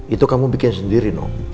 itu kamu bikin sendiri no